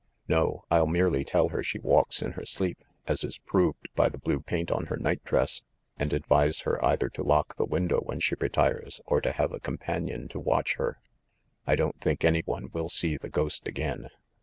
No, I'll merely tell her she walks in her sleep, as is proved by the blue paint on her night dress, and advise her either to lock 82 THE MASTER OF MYSTERIES the window when she retires or to have a companion to watch her. I don't think any one will see the ghost again.